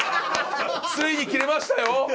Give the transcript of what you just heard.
ついにキレましたよ。